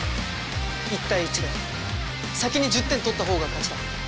１対１で先に１０点取った方が勝ちだ。